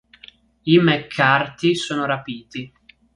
I McCarthy sono rapiti.